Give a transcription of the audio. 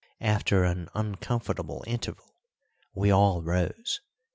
After an uncomfortable interval we all rose.